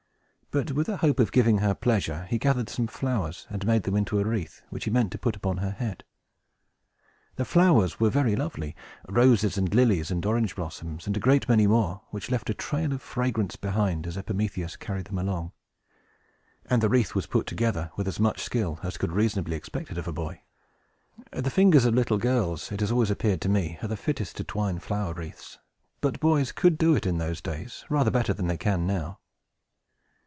But, with a hope of giving her pleasure, he gathered some flowers, and made them into a wreath, which he meant to put upon her head. The flowers were very lovely, roses, and lilies, and orange blossoms, and a great many more, which left a trail of fragrance behind, as Epimetheus carried them along; and the wreath was put together with as much skill as could reasonably be expected of a boy. The fingers of little girls, it has always appeared to me, are the fittest to twine flower wreaths; but boys could do it, in those days, rather better than they can now.